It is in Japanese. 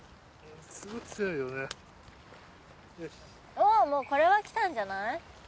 おおもうこれはきたんじゃない？